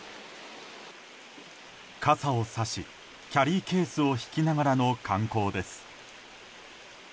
傘を差しキャリーケースを引きながらの観光です。